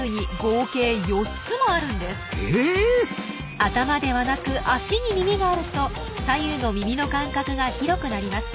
頭ではなく脚に耳があると左右の耳の間隔が広くなります。